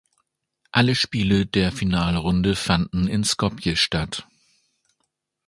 Alle Spiele der Finalrunde fanden in Skopje statt.